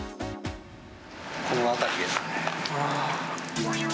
この辺りですね。